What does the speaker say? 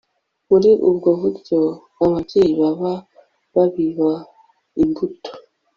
Muri ubwo buryo ababyeyi baba babiba imbuto